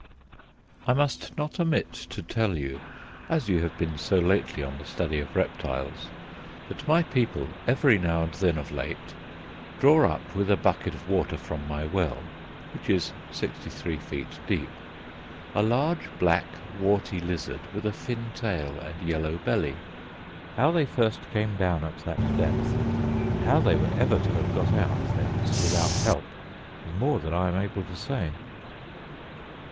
I must not omit to tell you (as you have been so lately on the study of reptiles) that my people, every now and then of late, draw up with a bucket of water from my well, which is 63 feet deep, a large black warty lizard with a fin tail and yellow belly. How they first came down at that depth, and how they were ever to have got out thence without help, is more than I am able to say.